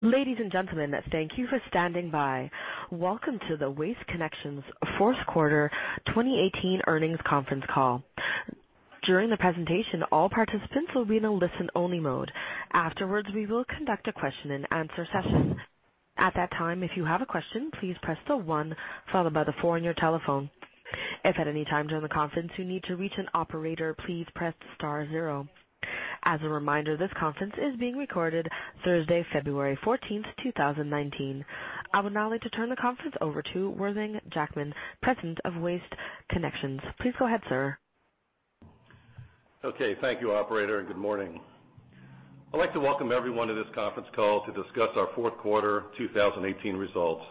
Ladies and gentlemen, thank you for standing by. Welcome to the Waste Connections fourth quarter 2018 earnings conference call. During the presentation, all participants will be in a listen-only mode. Afterwards, we will conduct a question and answer session. At that time, if you have a question, please press the one followed by the four on your telephone. If at any time during the conference, you need to reach an operator, please press star zero. As a reminder, this conference is being recorded Thursday, February 14th, 2019. I would now like to turn the conference over to Worthing Jackman, President of Waste Connections. Please go ahead, sir. Okay. Thank you, operator, good morning. I'd like to welcome everyone to this conference call to discuss our fourth quarter 2018 results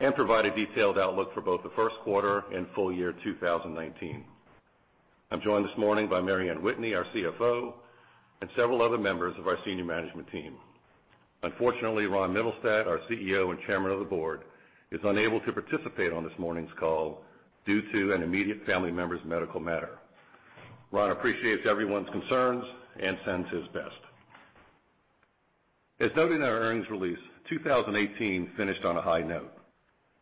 and provide a detailed outlook for both the first quarter and full year 2019. I'm joined this morning by Mary Anne Whitney, our CFO, and several other members of our senior management team. Unfortunately, Ron Mittelstaedt, our CEO and Chairman of the Board, is unable to participate on this morning's call due to an immediate family member's medical matter. Ron appreciates everyone's concerns and sends his best. As noted in our earnings release, 2018 finished on a high note,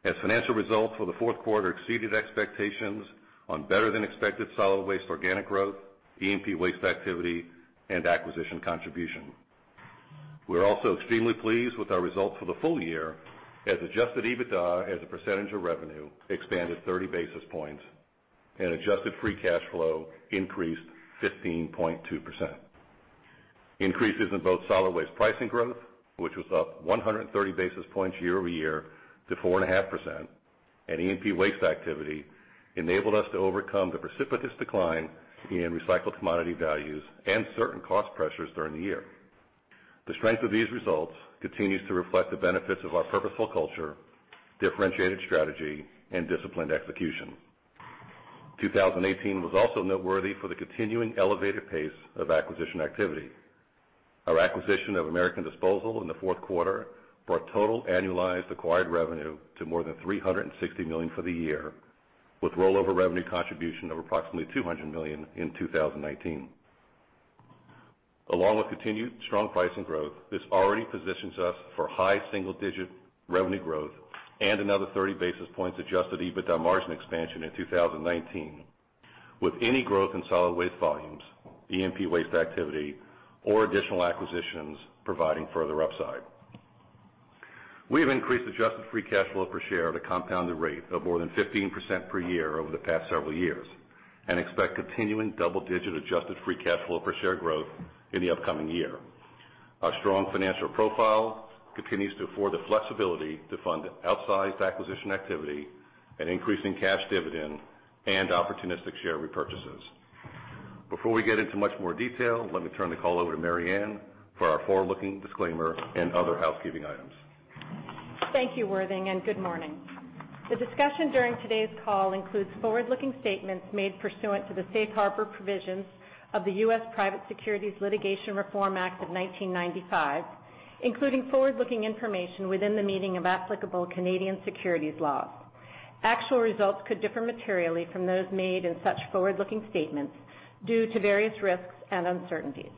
as financial results for the fourth quarter exceeded expectations on better than expected solid waste organic growth, E&P waste activity, and acquisition contribution. We're also extremely pleased with our results for the full year, as adjusted EBITDA as a percentage of revenue expanded 30 basis points and adjusted free cash flow increased 15.2%. Increases in both solid waste pricing growth, which was up 130 basis points year-over-year to 4.5%, and E&P waste activity enabled us to overcome the precipitous decline in recycled commodity values and certain cost pressures during the year. The strength of these results continues to reflect the benefits of our purposeful culture, differentiated strategy, and disciplined execution. 2018 was also noteworthy for the continuing elevated pace of acquisition activity. Our acquisition of American Disposal in the fourth quarter brought total annualized acquired revenue to more than $360 million for the year, with rollover revenue contribution of approximately $200 million in 2019. Along with continued strong pricing growth, this already positions us for high single-digit revenue growth and another 30 basis points adjusted EBITDA margin expansion in 2019, with any growth in solid waste volumes, E&P waste activity, or additional acquisitions providing further upside. We have increased adjusted free cash flow per share at a compounded rate of more than 15% per year over the past several years and expect continuing double-digit adjusted free cash flow per share growth in the upcoming year. Our strong financial profile continues to afford the flexibility to fund outsized acquisition activity and increasing cash dividend and opportunistic share repurchases. Before we get into much more detail, let me turn the call over to Mary Anne for our forward-looking disclaimer and other housekeeping items. Thank you, Worthing, and good morning. The discussion during today's call includes forward-looking statements made pursuant to the Safe Harbor Provisions of the U.S. Private Securities Litigation Reform Act of 1995, including forward-looking information within the meaning of applicable Canadian securities laws. Actual results could differ materially from those made in such forward-looking statements due to various risks and uncertainties.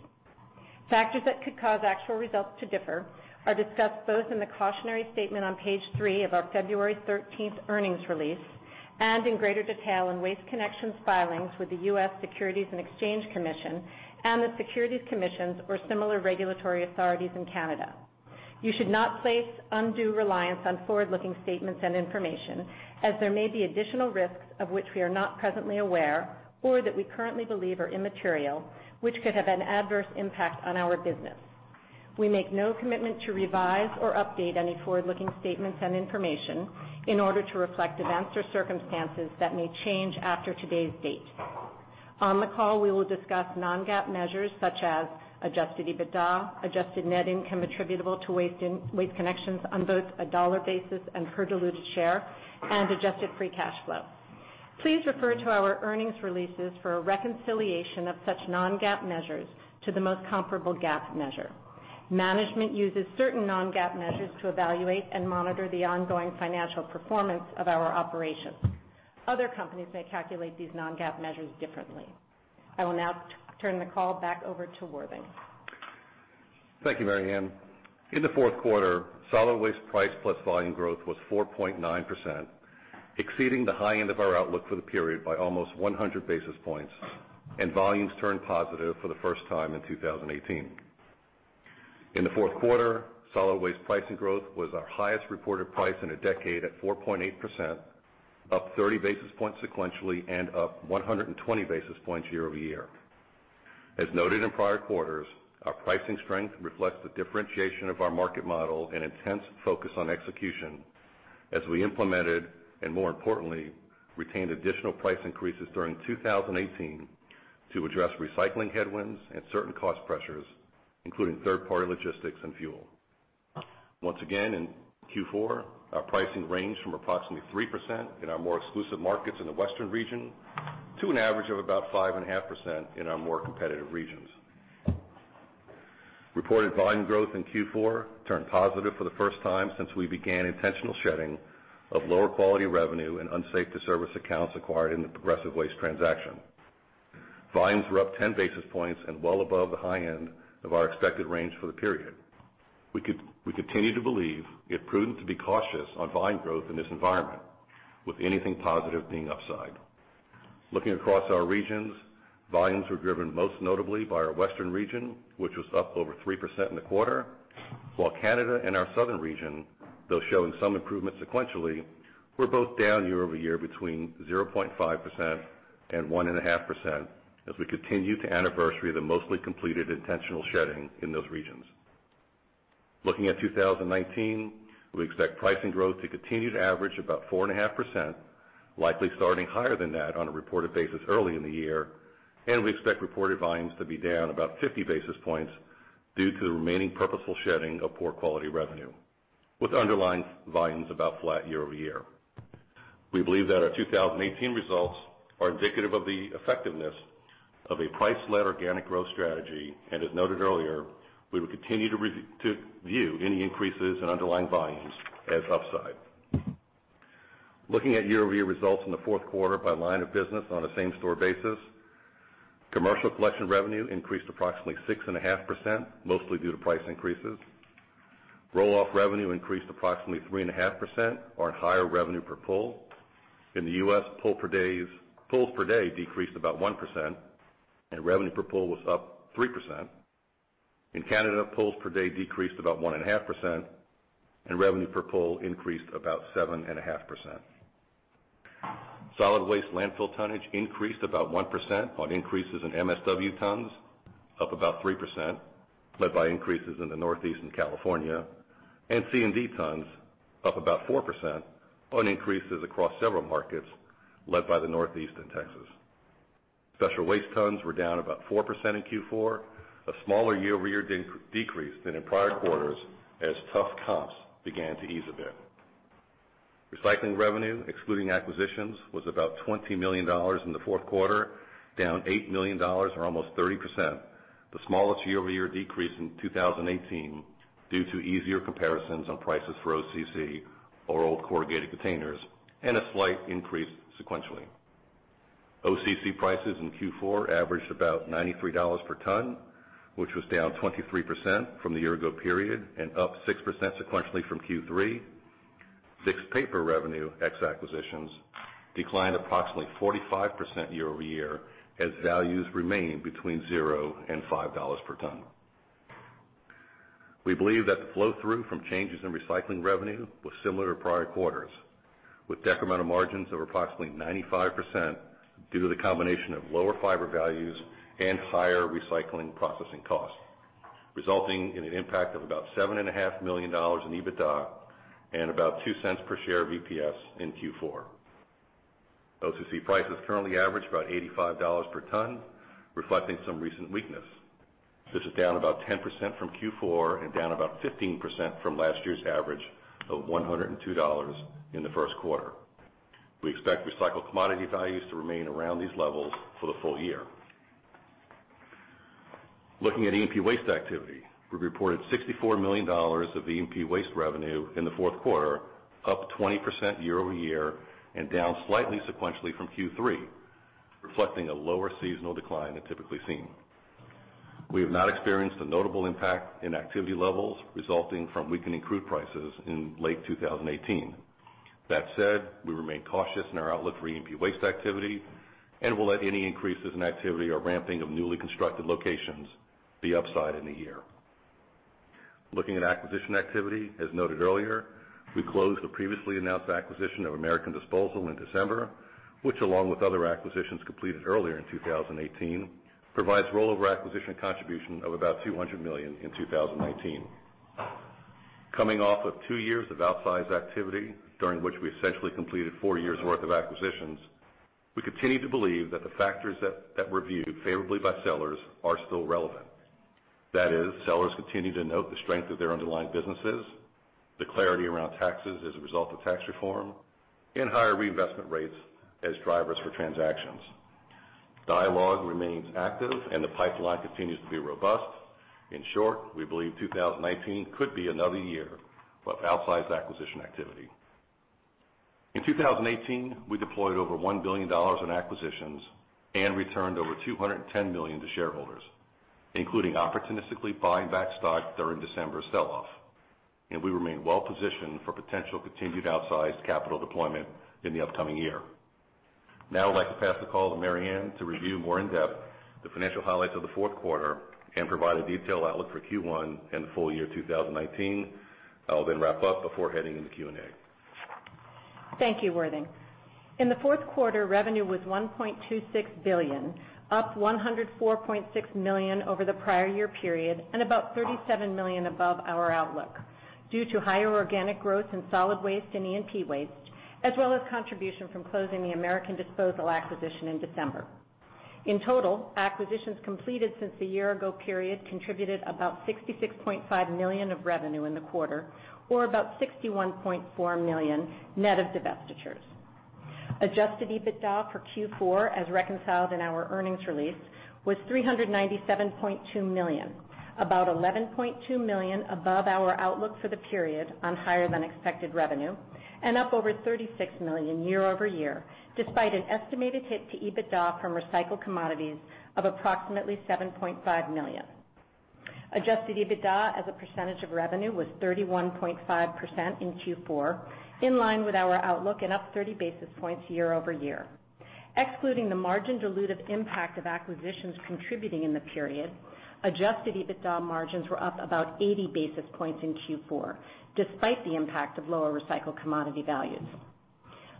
Factors that could cause actual results to differ are discussed both in the cautionary statement on page three of our February 13th earnings release and in greater detail in Waste Connections's filings with the U.S. Securities and Exchange Commission and the Securities Commissions or similar regulatory authorities in Canada. You should not place undue reliance on forward-looking statements and information, as there may be additional risks of which we are not presently aware or that we currently believe are immaterial, which could have an adverse impact on our business. We make no commitment to revise or update any forward-looking statements and information in order to reflect events or circumstances that may change after today's date. On the call, we will discuss non-GAAP measures such as adjusted EBITDA, adjusted net income attributable to Waste Connections on both a dollar basis and per diluted share, and adjusted free cash flow. Please refer to our earnings releases for a reconciliation of such non-GAAP measures to the most comparable GAAP measure. Management uses certain non-GAAP measures to evaluate and monitor the ongoing financial performance of our operations. Other companies may calculate these non-GAAP measures differently. I will now turn the call back over to Worthing. Thank you, Mary Anne. In the fourth quarter, solid waste price plus volume growth was 4.9%, exceeding the high end of our outlook for the period by almost 100 basis points, and volumes turned positive for the first time in 2018. In the fourth quarter, solid waste pricing growth was our highest reported price in a decade at 4.8%, up 30 basis points sequentially and up 120 basis points year-over-year. As noted in prior quarters, our pricing strength reflects the differentiation of our market model and intense focus on execution as we implemented, and more importantly, retained additional price increases during 2018 to address recycling headwinds and certain cost pressures, including third-party logistics and fuel. Once again, in Q4, our pricing ranged from approximately 3% in our more exclusive markets in the Western region to an average of about 5.5% in our more competitive regions. Reported volume growth in Q4 turned positive for the first time since we began intentional shedding of lower quality revenue and unsafe to service accounts acquired in the Progressive Waste transaction. Volumes were up 10 basis points and well above the high end of our expected range for the period. We continue to believe it prudent to be cautious on volume growth in this environment, with anything positive being upside. Looking across our regions, volumes were driven most notably by our Western region, which was up over 3% in the quarter, while Canada and our Southern region, though showing some improvement sequentially, were both down year-over-year between 0.5%-1.5% as we continue to anniversary the mostly completed intentional shedding in those regions. Looking at 2019, we expect pricing growth to continue to average about 4.5%, likely starting higher than that on a reported basis early in the year. We expect reported volumes to be down about 50 basis points due to the remaining purposeful shedding of poor quality revenue, with underlying volumes about flat year-over-year. We believe that our 2018 results are indicative of the effectiveness of a price-led organic growth strategy. As noted earlier, we will continue to view any increases in underlying volumes as upside. Looking at year-over-year results in the fourth quarter by line of business on a same-store basis, commercial collection revenue increased approximately 6.5%, mostly due to price increases. Roll-off revenue increased approximately 3.5% on higher revenue per pull. In the U.S., pulls per day decreased about 1%, and revenue per pull was up 3%. In Canada, pulls per day decreased about 1.5%, and revenue per pull increased about 7.5%. Solid waste landfill tonnage increased about 1% on increases in MSW tons, up about 3%, led by increases in the Northeast and California, and C&D tons up about 4% on increases across several markets, led by the Northeast and Texas. Special waste tons were down about 4% in Q4, a smaller year-over-year decrease than in prior quarters as tough comps began to ease a bit. Recycling revenue, excluding acquisitions, was about $20 million in the fourth quarter, down $8 million or almost 30%, the smallest year-over-year decrease since 2018 due to easier comparisons on prices for OCC, or old corrugated containers, and a slight increase sequentially. OCC prices in Q4 averaged about $93 per ton, which was down 23% from the year ago period and up 6% sequentially from Q3. Mixed paper revenue ex acquisitions declined approximately 45% year-over-year as values remained between $0 and $5 per ton. We believe that the flow-through from changes in recycling revenue was similar to prior quarters, with decremental margins of approximately 95% due to the combination of lower fiber values and higher recycling processing costs, resulting in an impact of about $7.5 million in EBITDA and about $0.02 per share of EPS in Q4. OCC prices currently average about $85 per ton, reflecting some recent weakness. This is down about 10% from Q4 and down about 15% from last year's average of $102 in the first quarter. We expect recycled commodity values to remain around these levels for the full year. Looking at E&P waste activity, we reported $64 million of E&P waste revenue in the fourth quarter, up 20% year-over-year and down slightly sequentially from Q3, reflecting a lower seasonal decline than typically seen. We have not experienced a notable impact in activity levels resulting from weakening crude prices in late 2018. That said, we remain cautious in our outlook for E&P waste activity and will let any increases in activity or ramping of newly constructed locations be upside in the year. Looking at acquisition activity, as noted earlier, we closed the previously announced acquisition of American Disposal in December, which along with other acquisitions completed earlier in 2018, provides rollover acquisition contribution of about $200 million in 2019. Coming off of two years of outsized activity, during which we essentially completed four years' worth of acquisitions, we continue to believe that the factors that were viewed favorably by sellers are still relevant. That is, sellers continue to note the strength of their underlying businesses, the clarity around taxes as a result of tax reform, and higher reinvestment rates as drivers for transactions. Dialogue remains active. The pipeline continues to be robust. In short, we believe 2019 could be another year of outsized acquisition activity. In 2018, we deployed over $1 billion in acquisitions and returned over $210 million to shareholders, including opportunistically buying back stock during December sell-off, and we remain well-positioned for potential continued outsized capital deployment in the upcoming year. Now I'd like to pass the call to Mary Anne to review more in depth the financial highlights of the fourth quarter and provide a detailed outlook for Q1 and the full year 2019. I will then wrap up before heading into Q&A. Thank you, Worthing. In the fourth quarter, revenue was $1.26 billion, up $104.6 million over the prior year period and about $37 million above our outlook due to higher organic growth in solid waste and E&P waste, as well as contribution from closing the American Disposal acquisition in December. In total, acquisitions completed since the year ago period contributed about $66.5 million of revenue in the quarter, or about $61.4 million net of divestitures. Adjusted EBITDA for Q4, as reconciled in our earnings release, was $397.2 million. About $11.2 million above our outlook for the period on higher than expected revenue, and up over $36 million year-over-year, despite an estimated hit to EBITDA from recycled commodities of approximately $7.5 million. Adjusted EBITDA as a percentage of revenue was 31.5% in Q4, in line with our outlook and up 30 basis points year-over-year. Excluding the margin dilutive impact of acquisitions contributing in the period, adjusted EBITDA margins were up about 80 basis points in Q4, despite the impact of lower recycled commodity values.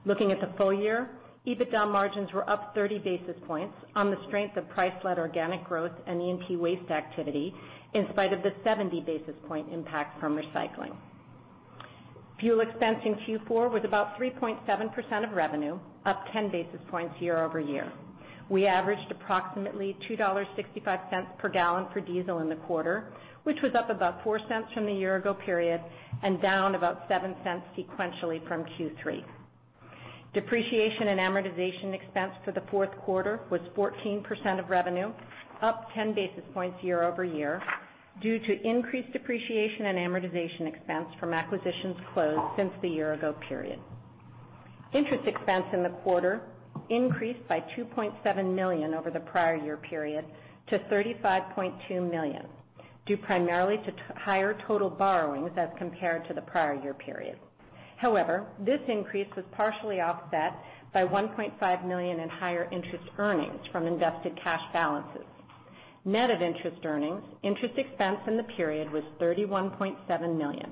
Looking at the full year, EBITDA margins were up 30 basis points on the strength of price-led organic growth and E&P waste activity in spite of the 70 basis point impact from recycling. Fuel expense in Q4 was about 3.7% of revenue, up 10 basis points year-over-year. We averaged approximately $2.65 per gallon for diesel in the quarter, which was up about $0.04 from the year ago period and down about $0.07 sequentially from Q3. Depreciation and amortization expense for the fourth quarter was 14% of revenue, up 10 basis points year-over-year due to increased depreciation and amortization expense from acquisitions closed since the year ago period. Interest expense in the quarter increased by $2.7 million over the prior year period to $35.2 million, due primarily to higher total borrowings as compared to the prior year period. However, this increase was partially offset by $1.5 million in higher interest earnings from invested cash balances. Net of interest earnings, interest expense in the period was $31.7 million,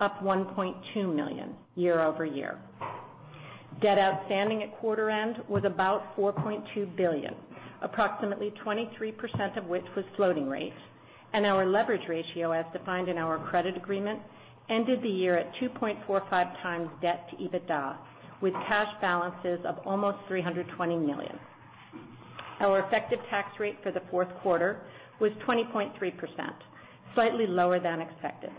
up $1.2 million year-over-year. Debt outstanding at quarter end was about $4.2 billion, approximately 23% of which was floating rates, and our leverage ratio, as defined in our credit agreement, ended the year at 2.45x debt to EBITDA with cash balances of almost $320 million. Our effective tax rate for the fourth quarter was 20.3%, slightly lower than expected.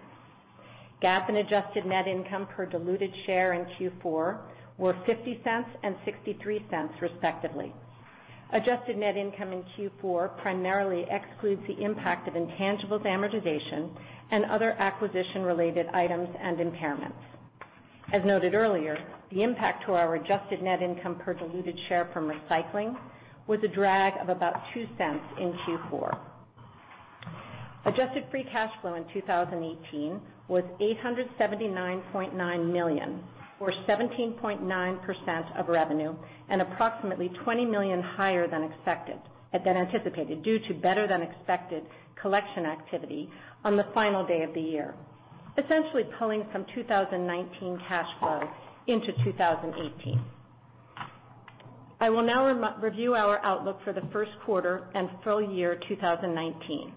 GAAP and adjusted net income per diluted share in Q4 were $0.50 and $0.63 respectively. Adjusted net income in Q4 primarily excludes the impact of intangibles amortization and other acquisition-related items and impairments. As noted earlier, the impact to our adjusted net income per diluted share from recycling was a drag of about $0.02 in Q4. Adjusted free cash flow in 2018 was $879.9 million, or 17.9% of revenue, and approximately $20 million higher than anticipated due to better than expected collection activity on the final day of the year, essentially pulling some 2019 cash flow into 2018. I will now review our outlook for the first quarter and full year 2019.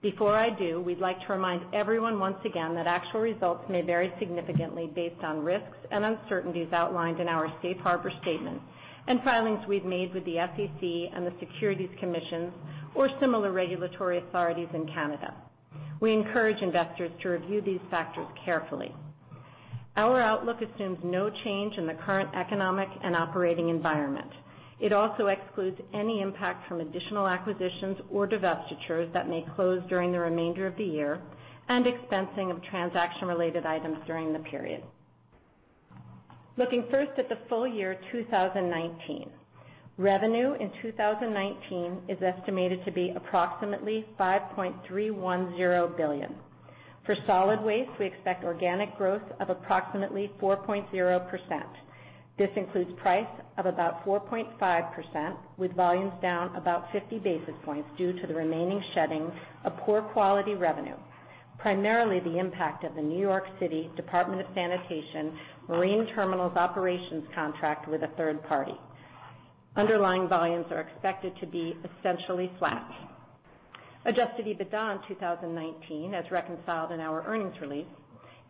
Before I do, we'd like to remind everyone once again that actual results may vary significantly based on risks and uncertainties outlined in our safe harbor statement and filings we've made with the SEC and the securities commissions or similar regulatory authorities in Canada. We encourage investors to review these factors carefully. Our outlook assumes no change in the current economic and operating environment. It also excludes any impact from additional acquisitions or divestitures that may close during the remainder of the year and expensing of transaction-related items during the period. Looking first at the full year 2019. Revenue in 2019 is estimated to be approximately $5.310 billion. For solid waste, we expect organic growth of approximately 4.0%. This includes price of about 4.5%, with volumes down about 50 basis points due to the remaining shedding of poor quality revenue, primarily the impact of the New York City Department of Sanitation Marine Terminals operations contract with a third party. Underlying volumes are expected to be essentially flat. Adjusted EBITDA in 2019, as reconciled in our earnings release,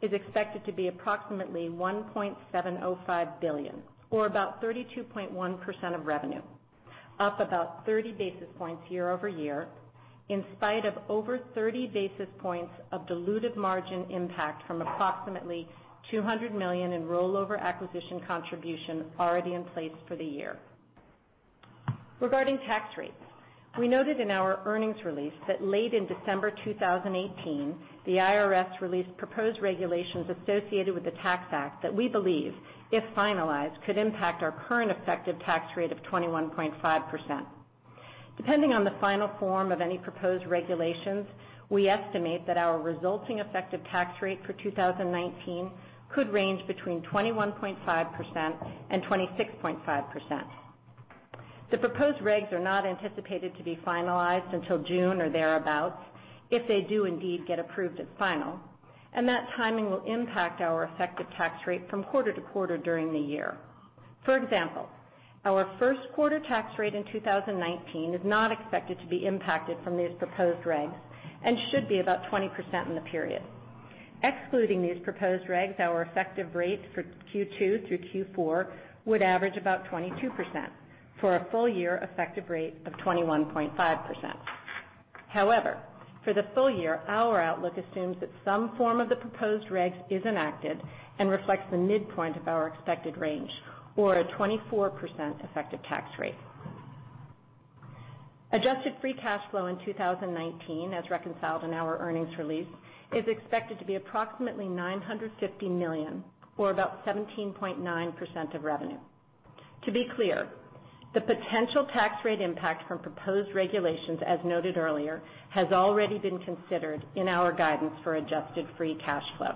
is expected to be approximately $1.705 billion, or about 32.1% of revenue, up about 30 basis points year-over-year, in spite of over 30 basis points of dilutive margin impact from approximately $200 million in rollover acquisition contribution already in place for the year. Regarding tax rates, we noted in our earnings release that late in December 2018, the IRS released proposed regulations associated with the Tax Act that we believe, if finalized, could impact our current effective tax rate of 21.5%. Depending on the final form of any proposed regulations, we estimate that our resulting effective tax rate for 2019 could range between 21.5%-26.5%. The proposed regs are not anticipated to be finalized until June or thereabout, if they do indeed get approved as final, that timing will impact our effective tax rate from quarter to quarter during the year. For example, our first quarter tax rate in 2019 is not expected to be impacted from these proposed regs and should be about 20% in the period. Excluding these proposed regs, our effective rates for Q2 through Q4 would average about 22% for a full year effective rate of 21.5%. For the full year, our outlook assumes that some form of the proposed regs is enacted and reflects the midpoint of our expected range, or a 24% effective tax rate. Adjusted free cash flow in 2019, as reconciled in our earnings release, is expected to be approximately $950 million, or about 17.9% of revenue. To be clear, the potential tax rate impact from proposed regulations, as noted earlier, has already been considered in our guidance for adjusted free cash flow.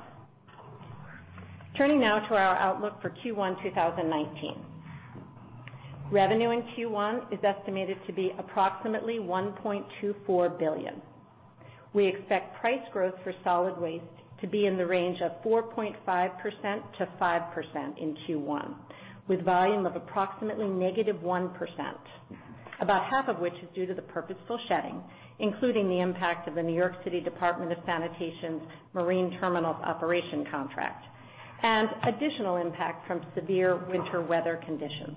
Turning now to our outlook for Q1 2019. Revenue in Q1 is estimated to be approximately $1.24 billion. We expect price growth for solid waste to be in the range of 4.5%-5% in Q1, with volume of approximately -1%, about half of which is due to the purposeful shedding, including the impact of the New York City Department of Sanitation's marine terminals operation contract, and additional impact from severe winter weather conditions.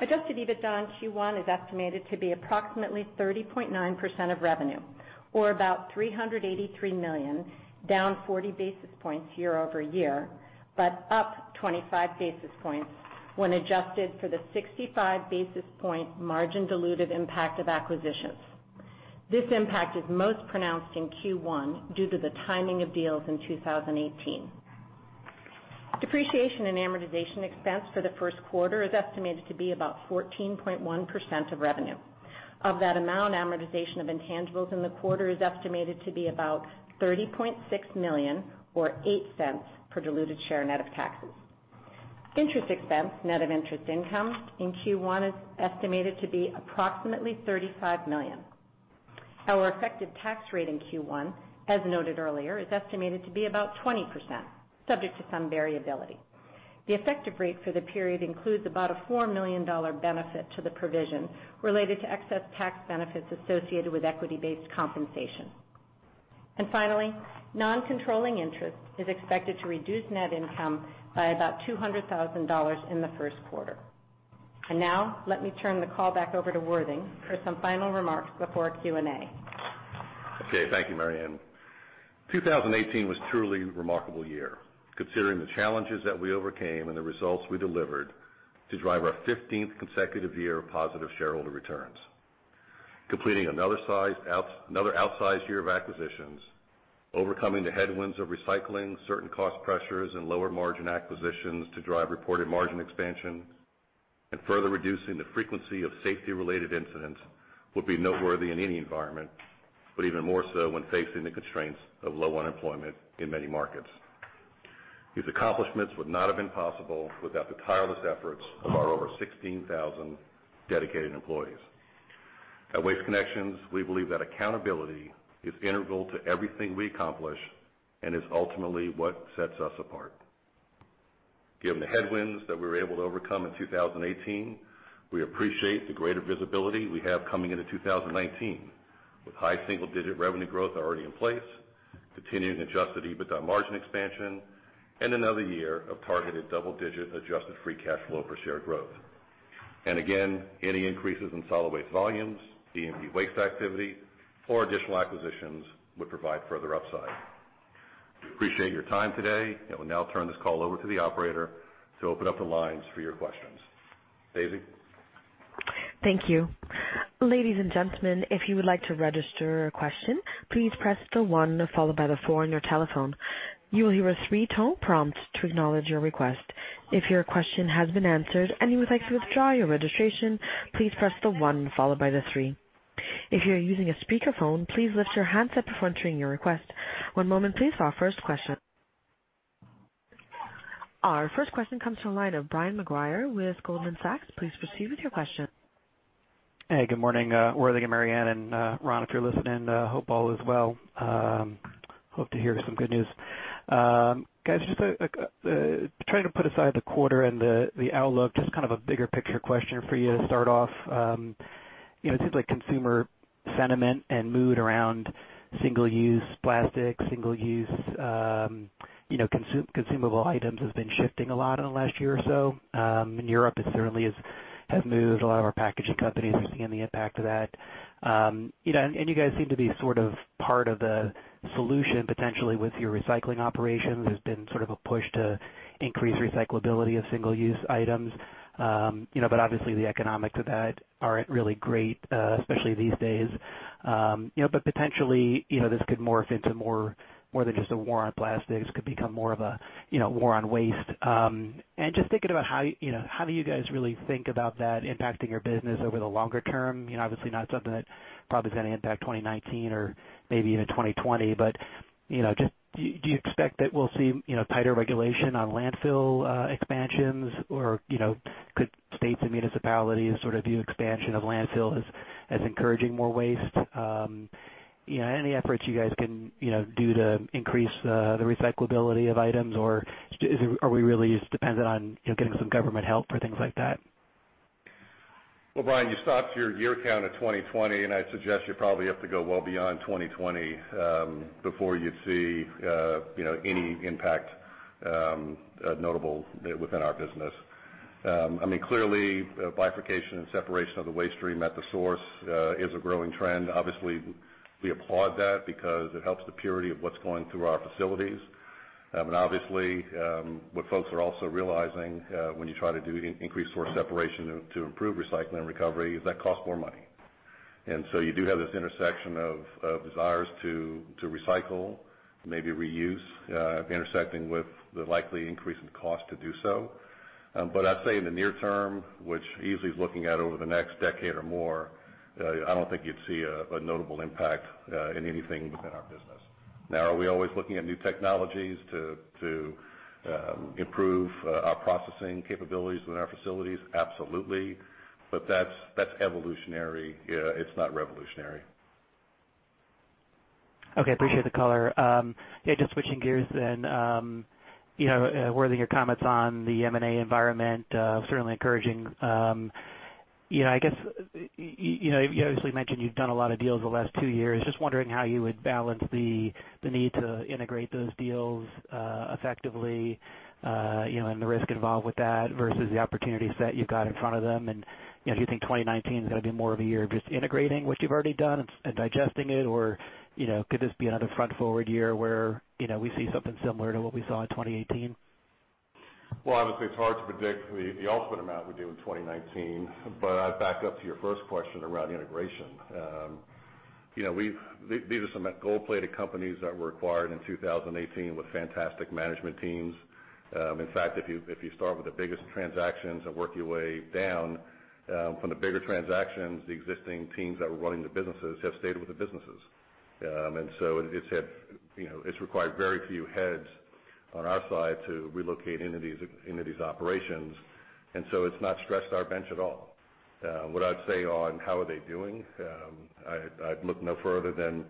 Adjusted EBITDA in Q1 is estimated to be approximately 30.9% of revenue, or about $383 million, down 40 basis points year-over-year, but up 25 basis points when adjusted for the 65 basis point margin dilutive impact of acquisitions. This impact is most pronounced in Q1 due to the timing of deals in 2018. Depreciation and amortization expense for the first quarter is estimated to be about 14.1% of revenue. Of that amount, amortization of intangibles in the quarter is estimated to be about $30.6 million, or $0.08 per diluted share net of taxes. Interest expense net of interest income in Q1 is estimated to be approximately $35 million. Our effective tax rate in Q1, as noted earlier, is estimated to be about 20%, subject to some variability. The effective rate for the period includes about a $4 million benefit to the provision related to excess tax benefits associated with equity-based compensation. Finally, non-controlling interest is expected to reduce net income by about $200,000 in the first quarter. Now, let me turn the call back over to Worthing for some final remarks before Q&A. Okay. Thank you, Mary Anne. 2018 was truly a remarkable year, considering the challenges that we overcame and the results we delivered to drive our 15th consecutive year of positive shareholder returns. Completing another outsized year of acquisitions, overcoming the headwinds of recycling, certain cost pressures, and lower margin acquisitions to drive reported margin expansion, and further reducing the frequency of safety-related incidents would be noteworthy in any environment, but even more so when facing the constraints of low unemployment in many markets. These accomplishments would not have been possible without the tireless efforts of our over 16,000 dedicated employees. At Waste Connections, we believe that accountability is integral to everything we accomplish and is ultimately what sets us apart. Given the headwinds that we were able to overcome in 2018, we appreciate the greater visibility we have coming into 2019, with high single-digit revenue growth already in place, continuing adjusted EBITDA margin expansion, and another year of targeted double-digit adjusted free cash flow per share growth. Again, any increases in solid waste volumes, DMV waste activity, or additional acquisitions would provide further upside. We appreciate your time today, and we now turn this call over to the operator to open up the lines for your questions. Daisy? Thank you. Ladies and gentlemen, if you would like to register a question, please press the one followed by the four on your telephone. You will hear a three-tone prompt to acknowledge your request. If your question has been answered and you would like to withdraw your registration, please press the one followed by the three. If you are using a speakerphone, please lift your handset before entering your request. One moment please for our first question. Our first question comes from the line of Brian Maguire with Goldman Sachs. Please proceed with your question. Hey, good morning, Worthing and Mary Anne, and Ron, if you're listening. Hope all is well. Hope to hear some good news. Guys, just trying to put aside the quarter and the outlook, just kind of a bigger picture question for you to start off. It seems like consumer sentiment and mood around single-use plastic, single-use consumable items has been shifting a lot in the last year or so. In Europe, it certainly has moved. A lot of our packaging companies are seeing the impact of that. You guys seem to be sort of part of the solution, potentially, with your recycling operations. There's been sort of a push to increase recyclability of single-use items. Obviously, the economics of that aren't really great, especially these days. Potentially, this could morph into more than just a war on plastics, could become more of a war on waste. Just thinking about how do you guys really think about that impacting your business over the longer term? Obviously not something that probably is going to impact 2019 or maybe even 2020, do you expect that we'll see tighter regulation on landfill expansions, or could states and municipalities sort of view expansion of landfill as encouraging more waste? Any efforts you guys can do to increase the recyclability of items, or are we really just dependent on getting some government help for things like that? Well, Brian, you stopped your year count at 2020. I'd suggest you probably have to go well beyond 2020 before you'd see any impact notable within our business. Clearly, bifurcation and separation of the waste stream at the source is a growing trend. Obviously, we applaud that because it helps the purity of what's going through our facilities. Obviously, what folks are also realizing when you try to do increased source separation to improve recycling and recovery, is that costs more money. You do have this intersection of desires to recycle, maybe reuse, intersecting with the likely increase in cost to do so. I'd say in the near term, which easily is looking out over the next decade or more, I don't think you'd see a notable impact in anything within our business. Are we always looking at new technologies to improve our processing capabilities within our facilities? Absolutely. That's evolutionary, it's not revolutionary. Okay, appreciate the color. Yeah, just switching gears then. Worthing, your comments on the M&A environment, certainly encouraging. You obviously mentioned you've done a lot of deals the last two years. Just wondering how you would balance the need to integrate those deals effectively, and the risk involved with that, versus the opportunities that you've got in front of them. Do you think 2019 is going to be more of a year of just integrating what you've already done and digesting it? Could this be another front-forward year where we see something similar to what we saw in 2018? Well, obviously, it's hard to predict the ultimate amount we do in 2019. I'd back up to your first question around integration. These are some gold-plated companies that were acquired in 2018 with fantastic management teams. In fact, if you start with the biggest transactions and work your way down, from the bigger transactions, the existing teams that were running the businesses have stayed with the businesses. It's required very few heads on our side to relocate into these operations. It's not stressed our bench at all. What I'd say on how are they doing, I'd look no further than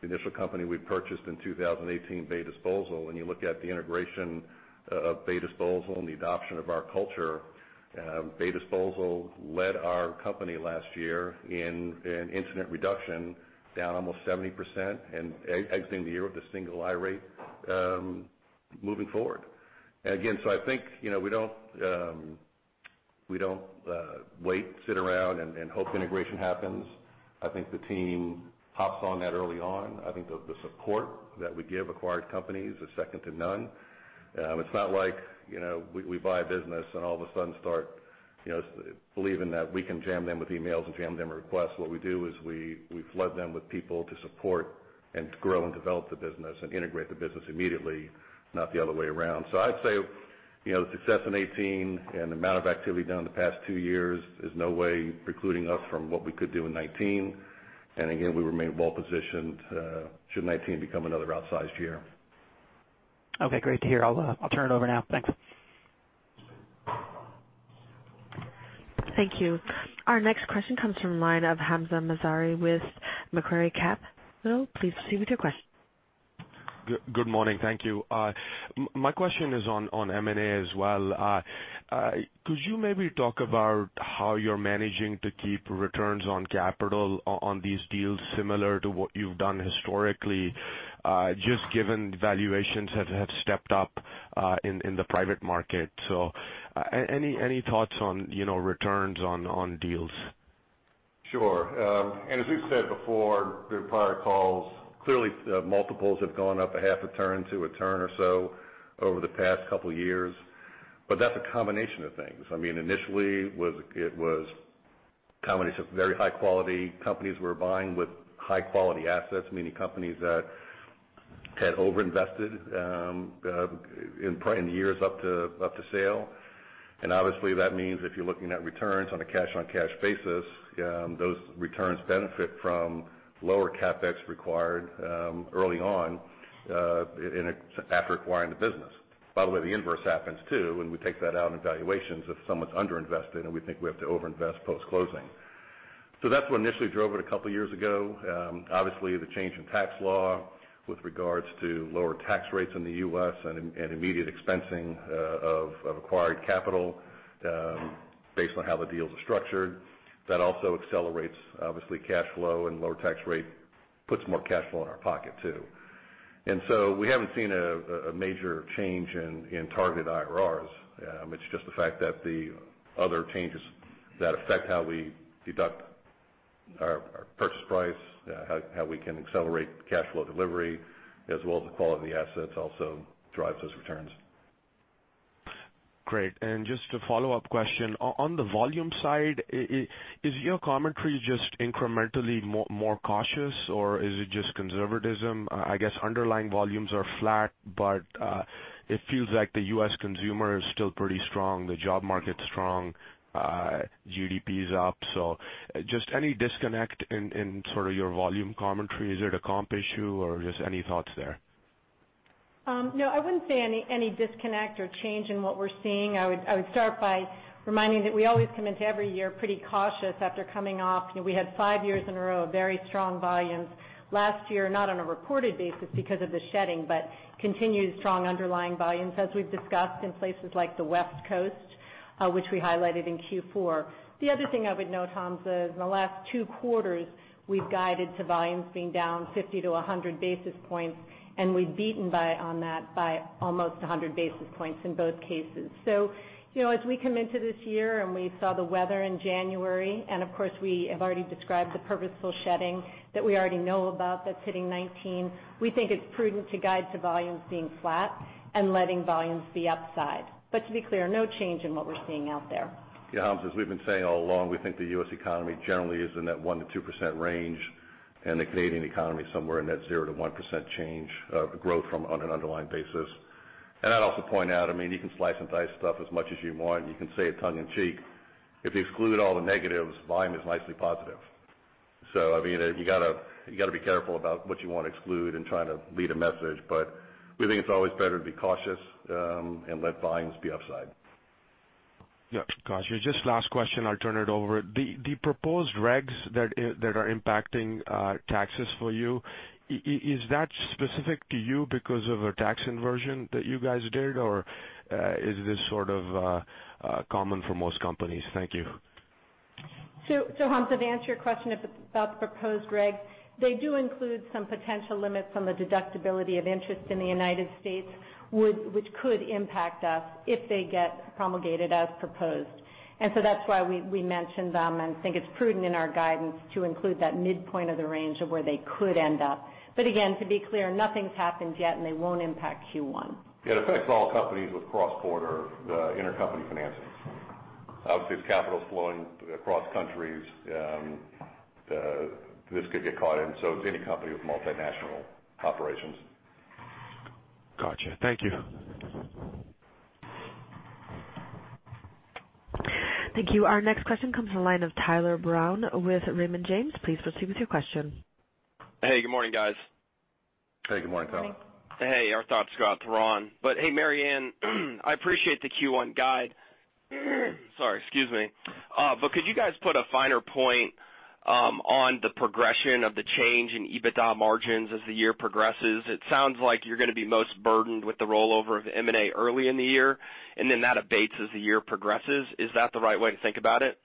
the initial company we purchased in 2018, Bay Disposal. When you look at the integration of Bay Disposal and the adoption of our culture, Bay Disposal led our company last year in incident reduction down almost 70%, and exiting the year with a single I-rate, moving forward. I think we don't wait, sit around, and hope integration happens. I think the team hops on that early on. I think the support that we give acquired companies is second to none. It's not like we buy a business and all of a sudden start believing that we can jam them with emails and jam them with requests. What we do is we flood them with people to support and to grow and develop the business and integrate the business immediately, not the other way around. I'd say, the success in 2018 and the amount of activity done in the past two years is no way precluding us from what we could do in 2019. Again, we remain well positioned should 2019 become another outsized year. Okay, great to hear. I'll turn it over now. Thanks. Thank you. Our next question comes from the line of Hamzah Mazari with Macquarie Capital. Please proceed with your question. Good morning. Thank you. My question is on M&A as well. Could you maybe talk about how you're managing to keep returns on capital on these deals similar to what you've done historically, just given valuations have stepped up in the private market? Any thoughts on returns on deals? Sure. As we've said before during prior calls, clearly, multiples have gone up a half a turn to a turn or so over the past couple of years. That's a combination of things. Initially, it was a combination of very high-quality companies we were buying with high-quality assets, meaning companies that had over-invested in probably in the years up for sale. Obviously, that means if you're looking at returns on a cash-on-cash basis, those returns benefit from lower CapEx required early on after acquiring the business. By the way, the inverse happens, too, when we take that out in valuations if someone's under-invested and we think we have to over-invest post-closing. That's what initially drove it a couple of years ago. Obviously, the change in tax law with regards to lower tax rates in the U.S. and immediate expensing of acquired capital based on how the deals are structured. That also accelerates, obviously, cash flow, and lower tax rate puts more cash flow in our pocket, too. We haven't seen a major change in targeted IRRs. It's just the fact that the other changes that affect how we deduct our purchase price, how we can accelerate cash flow delivery, as well as the quality of the assets also drives those returns. Great. Just a follow-up question. On the volume side, is your commentary just incrementally more cautious, or is it just conservatism? I guess underlying volumes are flat, but it feels like the U.S. consumer is still pretty strong, the job market's strong, GDP's up. Just any disconnect in sort of your volume commentary? Is it a comp issue, or just any thoughts there? No, I wouldn't say any disconnect or change in what we're seeing. I would start by reminding that we always come into every year pretty cautious after coming off. We had five years in a row of very strong volumes. Last year, not on a reported basis because of the shedding, but continued strong underlying volumes, as we've discussed in places like the West Coast, which we highlighted in Q4. The other thing I would note, Hamzah, is in the last two quarters, we've guided to volumes being down 50 to 100 basis points, and we've beaten on that by almost 100 basis points in both cases. As we come into this year, and we saw the weather in January, and of course, we have already described the purposeful shedding that we already know about that's hitting 2019. We think it's prudent to guide to volumes being flat and letting volumes be upside. To be clear, no change in what we're seeing out there. Yeah, as we've been saying all along, we think the U.S. economy generally is in that 1%-2% range, and the Canadian economy somewhere in that 0%-1% change of growth from on an underlying basis. I'd also point out, you can slice and dice stuff as much as you want, and you can say it tongue in cheek. If you exclude all the negatives, volume is nicely positive. You got to be careful about what you want to exclude in trying to lead a message. We think it's always better to be cautious and let volumes be upside. Yeah, got you. Just last question, I'll turn it over. The proposed regs that are impacting taxes for you, is that specific to you because of a tax inversion that you guys did? Or is this sort of common for most companies? Thank you. Hamzah, to answer your question about the proposed regs, they do include some potential limits on the deductibility of interest in the U.S., which could impact us if they get promulgated as proposed. That's why we mention them and think it's prudent in our guidance to include that midpoint of the range of where they could end up. Again, to be clear, nothing's happened yet, and they won't impact Q1. Yeah, it affects all companies with cross-border intercompany financing. Obviously, as capital's flowing across countries, this could get caught in, so it's any company with multinational operations. Got you. Thank you. Thank you. Our next question comes from the line of Tyler Brown with Raymond James. Please proceed with your question. Hey, good morning, guys. Hey, good morning, Tyler. Good morning. Hey, our thoughts go out to Ron. Hey, Mary Anne, I appreciate the Q1 guide. Sorry, excuse me. Could you guys put a finer point on the progression of the change in EBITDA margins as the year progresses? It sounds like you're going to be most burdened with the rollover of M&A early in the year, then that abates as the year progresses. Is that the right way to think about it?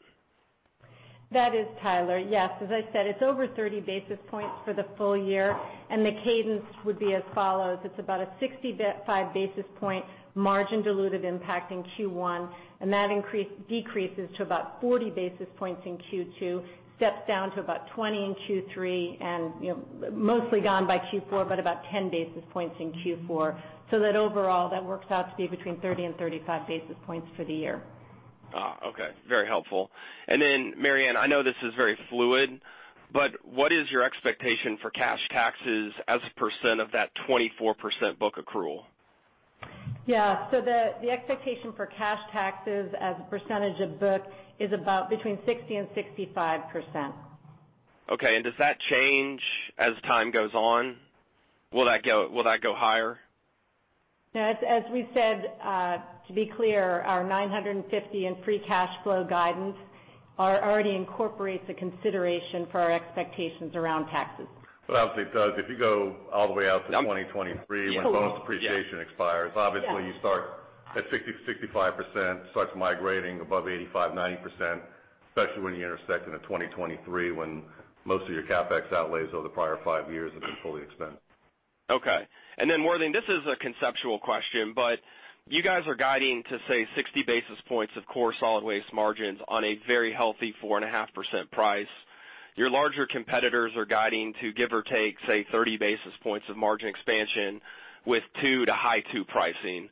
That is, Tyler. Yes. As I said, it's over 30 basis points for the full year, the cadence would be as follows. It's about a 65 basis point margin diluted impact in Q1, that decreases to about 40 basis points in Q2, steps down to about 20 in Q3, mostly gone by Q4, about 10 basis points in Q4. That overall, that works out to be between 30 and 35 basis points for the year. Okay. Very helpful. Then Mary Anne, I know this is very fluid, but what is your expectation for cash taxes as a percent of that 24% book accrual? The expectation for cash taxes as a percentage of book is about between 60% and 65%. Okay, does that change as time goes on? Will that go higher? No. As we said, to be clear, our $950 in free cash flow guidance already incorporates a consideration for our expectations around taxes. obviously, it does. If you go all the way out to 2023 when bonus depreciation expires, obviously you start at 60%-65%, starts migrating above 85%, 90%, especially when you intersect into 2023 when most of your CapEx outlays over the prior 5 years have been fully expensed. Okay. Worthing, this is a conceptual question, you guys are guiding to, say, 60 basis points of core solid waste margins on a very healthy 4.5% price. Your larger competitors are guiding to give or take, say, 30 basis points of margin expansion with 2% to high 2% pricing.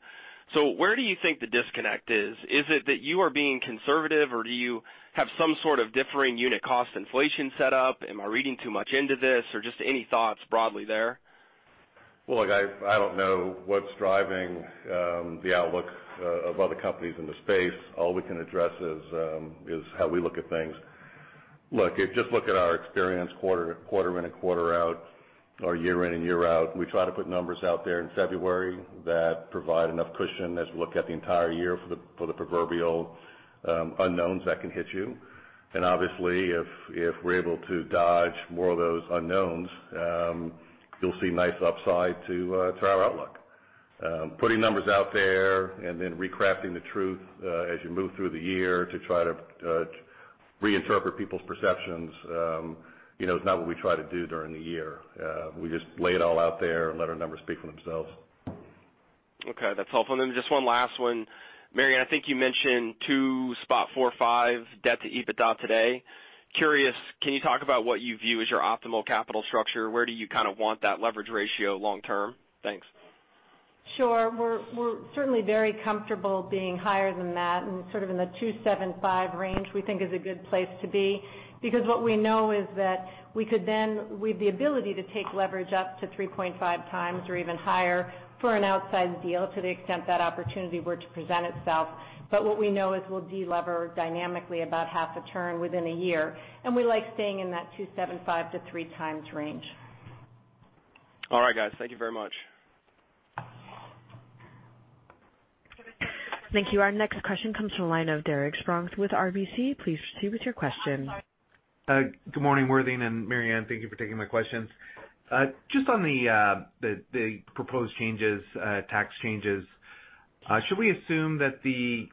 Where do you think the disconnect is? Is it that you are being conservative, or do you have some sort of differing unit cost inflation set up? Am I reading too much into this? Just any thoughts broadly there? Well, look, I don't know what's driving the outlook of other companies in the space. All we can address is how we look at things. Look, if you just look at our experience quarter in and quarter out or year in and year out, we try to put numbers out there in February that provide enough cushion as we look at the entire year for the proverbial unknowns that can hit you. obviously, if we're able to dodge more of those unknowns, you'll see nice upside to our outlook. Putting numbers out there and then recrafting the truth as you move through the year to try to reinterpret people's perceptions is not what we try to do during the year. We just lay it all out there and let our numbers speak for themselves. Okay, that's helpful. Just one last one. Mary Anne, I think you mentioned 2.45x debt to EBITDA today. Curious, can you talk about what you view as your optimal capital structure? Where do you kind of want that leverage ratio long term? Thanks. Sure. We're certainly very comfortable being higher than that, and sort of in the 2.75 range we think is a good place to be. What we know is that we have the ability to take leverage up to 3.5x or even higher for an outsized deal to the extent that opportunity were to present itself. What we know is we'll de-lever dynamically about half a turn within a year, and we like staying in that 2.75x-3x range. All right, guys. Thank you very much. Thank you. Our next question comes from the line of Derek Spronck with RBC. Please proceed with your question. Good morning, Worthing and Mary Anne. Thank you for taking my questions. Just on the proposed changes, tax changes, should we assume that the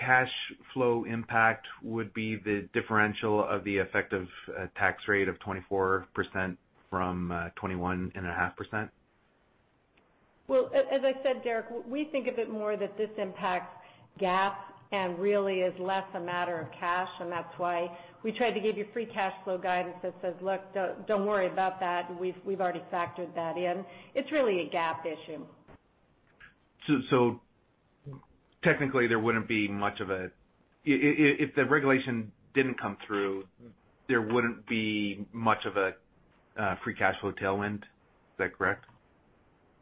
cash flow impact would be the differential of the effective tax rate of 24% from 21.5%? Well, as I said, Derek, we think of it more that this impacts GAAP and really is less a matter of cash. That's why we tried to give you free cash flow guidance that says, "Look, don't worry about that. We've already factored that in." It's really a GAAP issue. Technically, if the regulation didn't come through, there wouldn't be much of a free cash flow tailwind. Is that correct?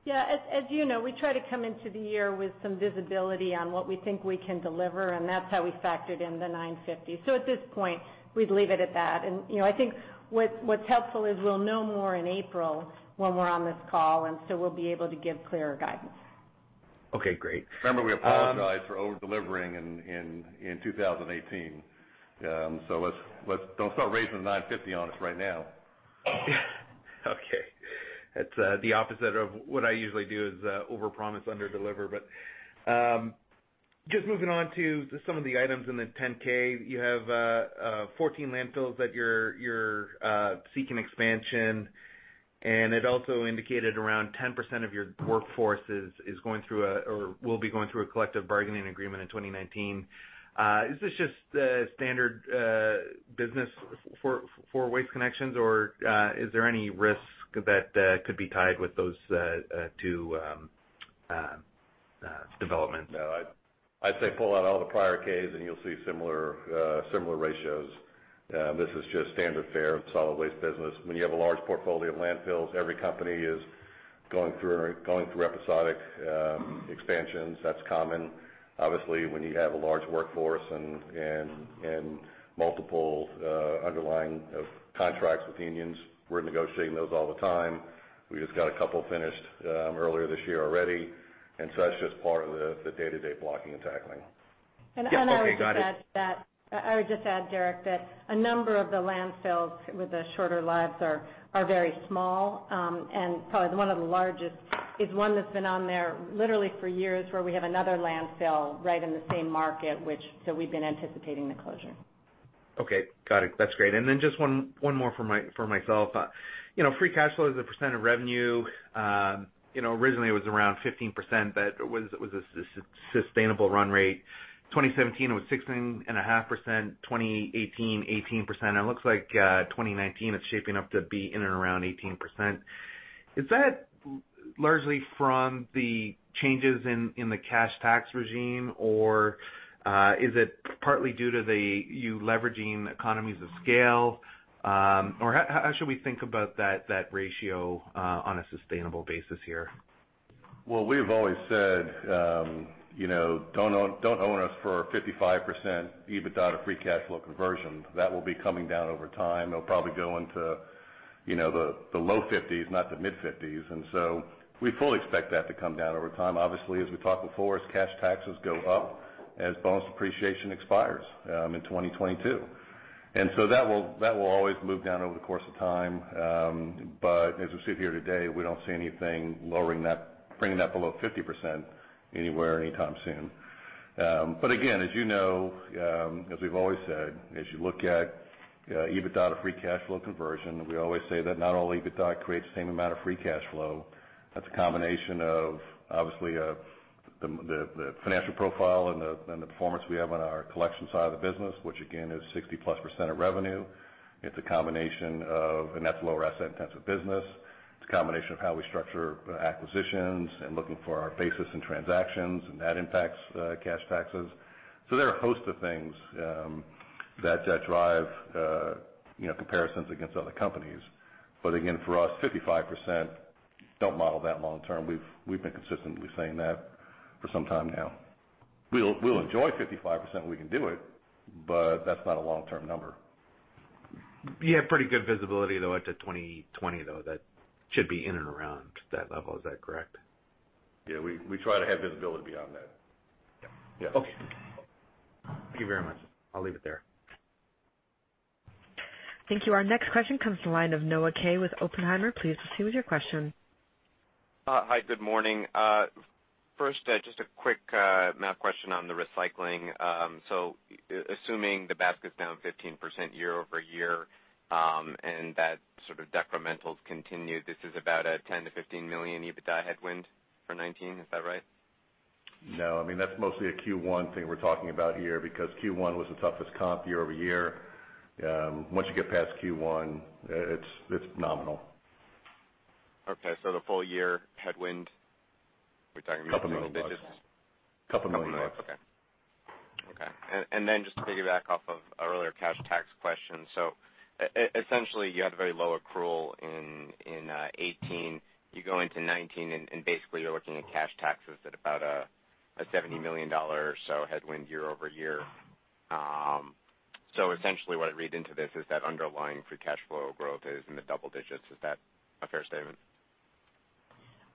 Yeah. As you know, we try to come into the year with some visibility on what we think we can deliver, and that's how we factored in the $950. At this point, we'd leave it at that. I think what's helpful is we'll know more in April when we're on this call, we'll be able to give clearer guidance. Okay, great. Remember, we apologized for over-delivering in 2018. Don't start raising the 950 on us right now. Okay. It's the opposite of what I usually do, is overpromise, underdeliver. Just moving on to some of the items in the 10-K. You have 14 landfills that you're seeking expansion, and it also indicated around 10% of your workforce will be going through a collective bargaining agreement in 2019. Is this just standard business for Waste Connections, or is there any risk that could be tied with those two developments? No. I'd say pull out all the prior K's, and you'll see similar ratios. This is just standard fare in the solid waste business. When you have a large portfolio of landfills, every company is going through episodic expansions. That's common. Obviously, when you have a large workforce and multiple underlying contracts with unions, we're negotiating those all the time. We just got a couple finished earlier this year already, and that's just part of the day-to-day blocking and tackling. Okay, got it. I would just add, Derek, that a number of the landfills with the shorter lives are very small. Probably one of the largest is one that's been on there literally for years, where we have another landfill right in the same market, so we've been anticipating the closure. Okay, got it. That's great. Then just one more for myself. Free cash flow as a percent of revenue, originally it was around 15%, but it was a sustainable run rate. 2017, it was 16.5%, 2018, 18%, and it looks like 2019, it's shaping up to be in and around 18%. Is that largely from the changes in the cash tax regime, or is it partly due to you leveraging economies of scale? How should we think about that ratio on a sustainable basis here? Well, we have always said, don't own us for 55% EBITDA to free cash flow conversion. That will be coming down over time. It'll probably go into the low 50s, not the mid 50s. We fully expect that to come down over time. Obviously, as we talked before, as cash taxes go up, as bonus depreciation expires in 2022. That will always move down over the course of time. As we sit here today, we don't see anything bringing that below 50% anywhere, anytime soon. Again, as you know, as we've always said, as you look at EBITDA to free cash flow conversion, we always say that not all EBITDA creates the same amount of free cash flow. That's a combination of, obviously, the financial profile and the performance we have on our collection side of the business, which again, is 60+% of revenue. That's a lower asset-intensive business. It's a combination of how we structure acquisitions and looking for our basis in transactions, and that impacts cash taxes. There are a host of things that drive comparisons against other companies. Again, for us, 55%, don't model that long term. We've been consistently saying that for some time now. We'll enjoy 55% if we can do it, but that's not a long-term number. You have pretty good visibility, though, into 2020. That should be in and around that level. Is that correct? Yeah, we try to have visibility beyond that. Yeah. Yeah. Okay. Thank you very much. I'll leave it there. Thank you. Our next question comes from the line of Noah Kaye with Oppenheimer. Please proceed with your question. Hi, good morning. First, just a quick math question on the recycling. Assuming the basket's down 15% year-over-year, and that sort of decremental continues, this is about a $10 million-$15 million EBITDA headwind for 2019, is that right? No, that's mostly a Q1 thing we're talking about here, because Q1 was the toughest comp year-over-year. Once you get past Q1, it's nominal. Okay, the full-year headwind, we're talking maybe- A couple million USD. Okay. Just to piggyback off of earlier cash tax questions. Essentially, you had a very low accrual in 2018. You go into 2019, basically, you're looking at cash taxes at about a $70 million or so headwind year-over-year. Essentially what I read into this is that underlying free cash flow growth is in the double digits. Is that a fair statement?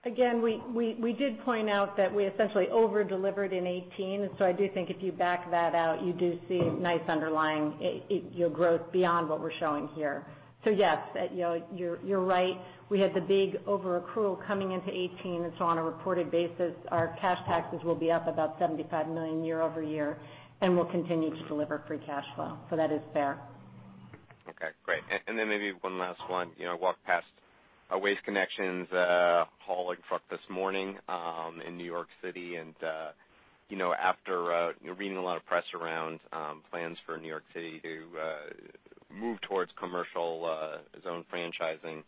Again, we did point out that we essentially over-delivered in 2018. I do think if you back that out, you do see nice underlying growth beyond what we're showing here. Yes, you're right. We had the big over-accrual coming into 2018, on a reported basis, our cash taxes will be up about $75 million year-over-year, we'll continue to deliver free cash flow. That is fair. Okay, great. Maybe one last one. Walked past a Waste Connections haul truck this morning in New York City, after reading a lot of press around plans for New York City to move towards commercial zone franchising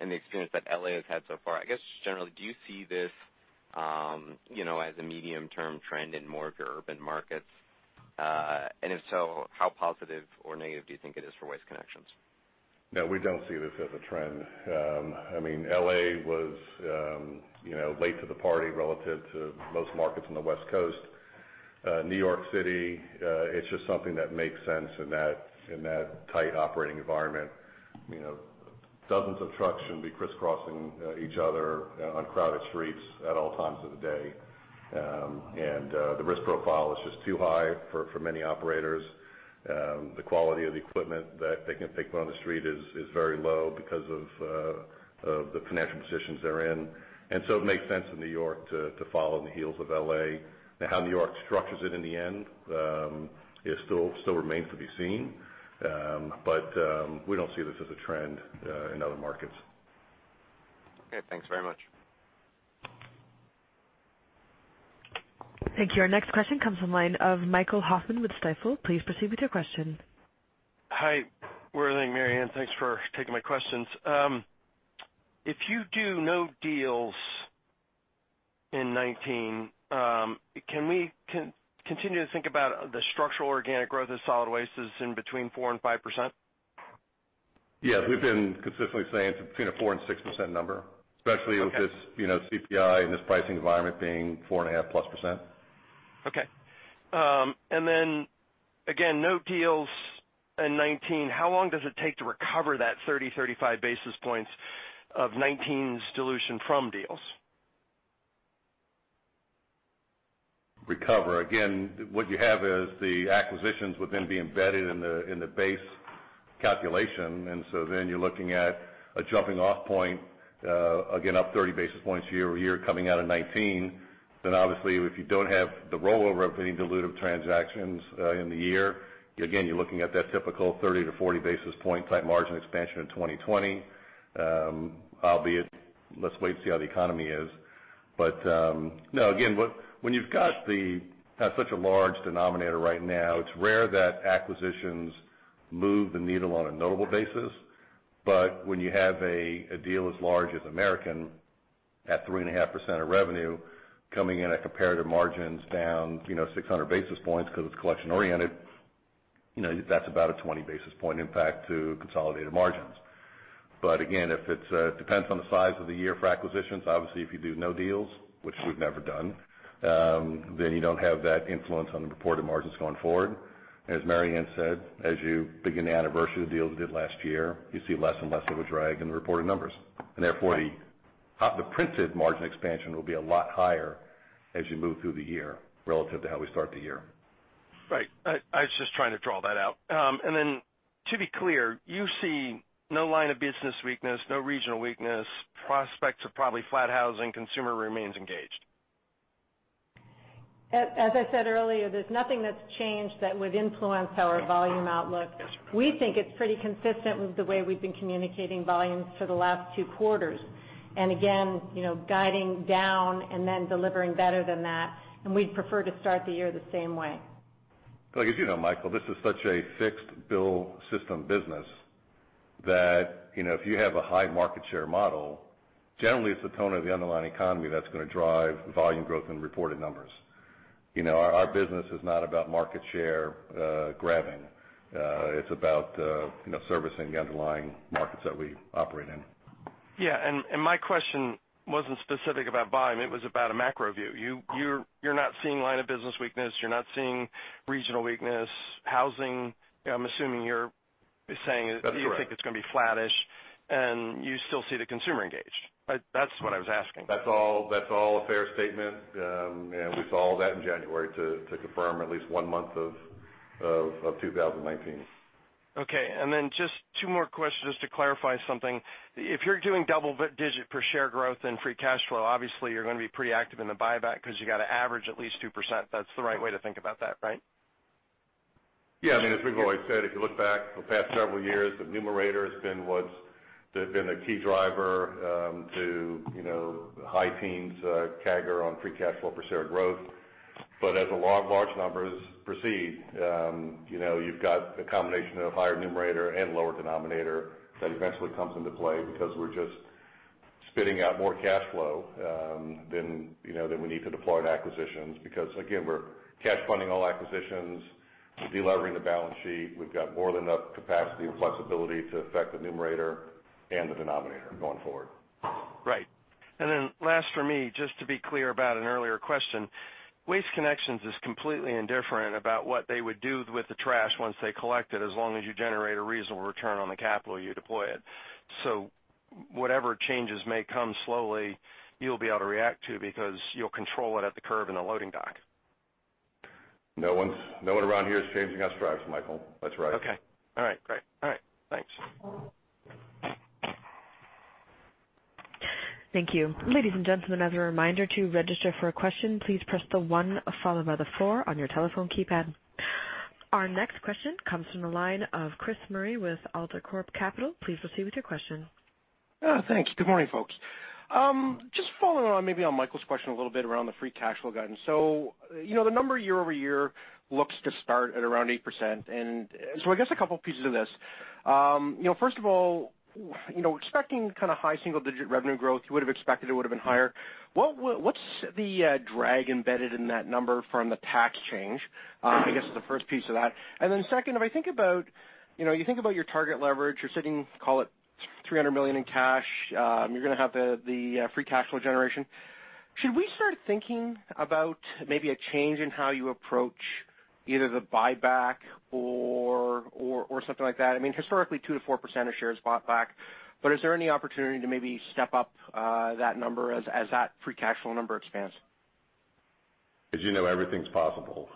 and the experience that L.A. has had so far. I guess generally, do you see this as a medium-term trend in more urban markets? If so, how positive or negative do you think it is for Waste Connections? No, we don't see this as a trend. L.A. was late to the party relative to most markets on the West Coast. New York City, it's just something that makes sense in that tight operating environment. Dozens of trucks shouldn't be crisscrossing each other on crowded streets at all times of the day. The risk profile is just too high for many operators. The quality of the equipment that they can put on the street is very low because of the financial positions they're in. It makes sense in New York to follow in the heels of L.A. Now, how New York structures it in the end still remains to be seen. We don't see this as a trend in other markets. Okay, thanks very much. Thank you. Our next question comes from the line of Michael Hoffman with Stifel. Please proceed with your question. Hi, Worthing and Mary Anne. Thanks for taking my questions. If you do no deals in 2019, can we continue to think about the structural organic growth of solid waste is in between 4% and 5%? Yes, we've been consistently saying it's between a 4% and 6% number, especially with this CPI and this pricing environment being 4.5%+ Okay. Again, no deals in 2019. How long does it take to recover that 30 basis points-35 basis points of 2019's dilution from deals? Recover. Again, what you have is the acquisitions would then be embedded in the base calculation. You're looking at a jumping off point again, up 30 basis points year-over-year coming out of 2019. Obviously, if you don't have the rollover of any dilutive transactions in the year, again, you're looking at that typical 30 basis points-40 basis points type margin expansion in 2020. Albeit, let's wait to see how the economy is. No, again, when you've got such a large denominator right now, it's rare that acquisitions move the needle on a notable basis. When you have a deal as large as American at 3.5% of revenue coming in at comparative margins down 600 basis points because it's collection oriented, that's about a 20 basis point impact to consolidated margins. Again, it depends on the size of the year for acquisitions. Obviously, if you do no deals, which we've never done, you don't have that influence on the reported margins going forward. As Mary Anne said, as you begin to anniversary the deals we did last year, you see less and less of a drag in the reported numbers, therefore the printed margin expansion will be a lot higher as you move through the year relative to how we start the year. Right. I was just trying to draw that out. To be clear, you see no line of business weakness, no regional weakness, prospects are probably flat housing, consumer remains engaged. As I said earlier, there's nothing that's changed that would influence our volume outlook. We think it's pretty consistent with the way we've been communicating volumes for the last two quarters. Again, guiding down and then delivering better than that, and we'd prefer to start the year the same way. As you know, Michael, this is such a fixed bill system business that if you have a high market share model, generally it's the tone of the underlying economy that's going to drive volume growth in reported numbers. Our business is not about market share grabbing. It's about servicing the underlying markets that we operate in. Yeah. My question wasn't specific about volume. It was about a macro view. You're not seeing line of business weakness. You're not seeing regional weakness. Housing, I'm assuming you're saying- That's correct. you think it's going to be flattish, you still see the consumer engaged. That's what I was asking. That's all a fair statement. We saw all that in January to confirm at least one month of 2019. Okay. Just two more questions just to clarify something. If you're doing double digit per share growth and free cash flow, obviously you're going to be pretty active in the buyback because you got to average at least 2%. That's the right way to think about that, right? Yeah. As we've always said, if you look back the past several years, the numerator has been what's been the key driver to high teens CAGR on free cash flow per share growth. As the large numbers proceed, you've got a combination of higher numerator and lower denominator that eventually comes into play because we're just spitting out more cash flow than we need to deploy in acquisitions. Again, we're cash funding all acquisitions. We're de-levering the balance sheet. We've got more than enough capacity and flexibility to affect the numerator and the denominator going forward. Right. Last for me, just to be clear about an earlier question, Waste Connections is completely indifferent about what they would do with the trash once they collect it, as long as you generate a reasonable return on the capital, you deploy it. Whatever changes may come slowly, you'll be able to react to because you'll control it at the curb and the loading dock. No one around here is changing out strides, Michael. That's right. Okay. All right, great. All right. Thanks. Thank you. Ladies and gentlemen, as a reminder to register for a question, please press the one followed by the four on your telephone keypad. Our next question comes from the line of Chris Murray with AltaCorp Capital. Please proceed with your question. Thanks. Good morning, folks. Just following on maybe on Michael Hoffman's question a little bit around the free cash flow guidance. The number year-over-year looks to start at around 8%. I guess a couple of pieces of this. First of all, expecting kind of high single-digit revenue growth, you would've expected it would've been higher. What's the drag embedded in that number from the tax change? I guess is the first piece of that. Second, if you think about your target leverage, you're sitting, call it, $300 million in cash, you're going to have the free cash flow generation. Should we start thinking about maybe a change in how you approach either the buyback or something like that? I mean, historically, 2%-4% of shares bought back, is there any opportunity to maybe step up that number as that free cash flow number expands? As you know, everything's possible.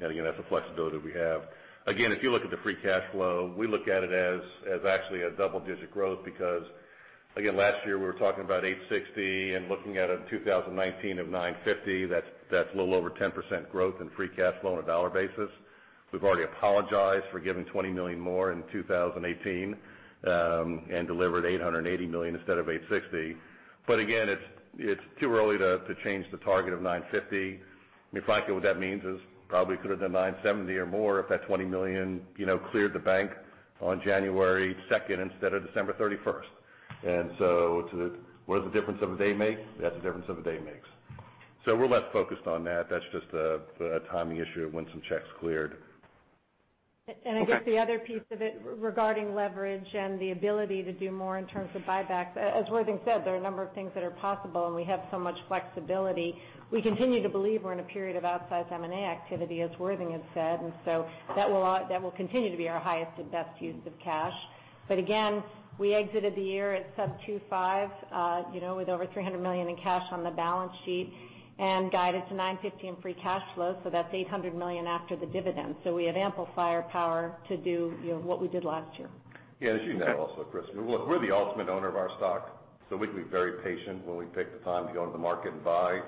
Again, that's the flexibility we have. Again, if you look at the free cash flow, we look at it as actually a double-digit growth because, again, last year we were talking about $860 million and looking at a 2019 of $950 million. That's a little over 10% growth in free cash flow on a dollar basis. We've already apologized for giving $20 million more in 2018, and delivered $880 million instead of $860 million. Again, it's too early to change the target of $950 million. If I get what that means is probably could have done $970 million or more if that $20 million cleared the bank on January 2nd instead of December 31st. What does the difference of a day make? That's the difference of a day makes. We're less focused on that. That's just a timing issue of when some checks cleared. Okay. I guess the other piece of it regarding leverage and the ability to do more in terms of buybacks, as Worthing Jackman said, there are a number of things that are possible, and we have so much flexibility. We continue to believe we're in a period of outsized M&A activity, as Worthing Jackman has said. That will continue to be our highest and best use of cash. Again, we exited the year at sub 2.5, with over $300 million in cash on the balance sheet and guided to $950 million in free cash flow. That's $800 million after the dividend. We have ample firepower to do what we did last year. Yeah. As you know also, Chris, look, we're the ultimate owner of our stock, so we can be very patient when we pick the time to go into the market and buy.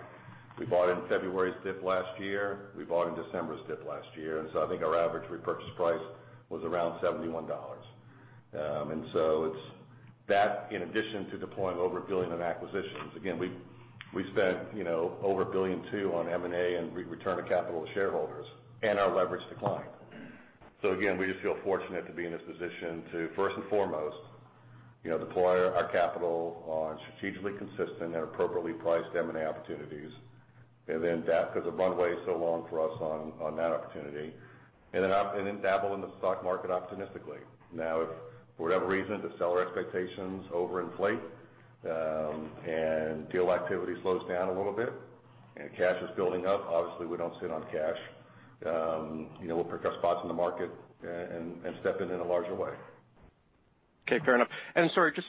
We bought in February's dip last year. We bought in December's dip last year. I think our average repurchase price was around $71. It's that in addition to deploying over $1 billion in acquisitions. Again, we spent over $1.2 billion on M&A and return of capital to shareholders and our leverage declined. Again, we just feel fortunate to be in this position to first and foremost, deploy our capital on strategically consistent and appropriately priced M&A opportunities and then adapt because the runway is so long for us on that opportunity, and then dabble in the stock market optimistically. If for whatever reason the seller expectations overinflate, and deal activity slows down a little bit and cash is building up, obviously we don't sit on cash. We'll pick up spots in the market and step in in a larger way. Okay, fair enough. Sorry, just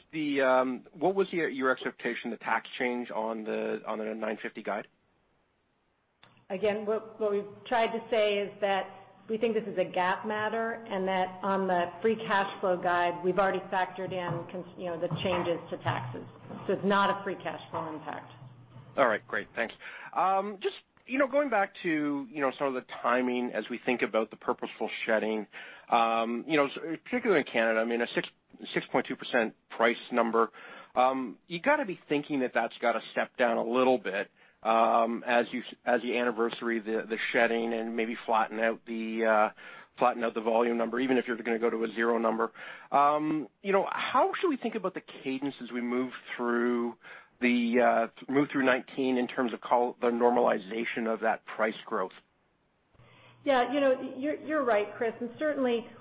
what was your expectation, the tax change on the 950 guide? Again, what we've tried to say is that we think this is a GAAP matter and that on the free cash flow guide, we've already factored in the changes to taxes. It's not a free cash flow impact. All right, great. Thanks. Just going back to some of the timing as we think about the purposeful shedding, particularly in Canada, I mean a 6.2% price number. You got to be thinking that that's got to step down a little bit as you anniversary the shedding and maybe flatten out the volume number, even if you're going to go to a zero number. How should we think about the cadence as we move through 2019 in terms of call it the normalization of that price growth? Yeah. You're right, Chris,